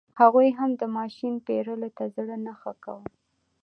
هغوی هم د ماشین پېرلو ته زړه نه ښه کاوه.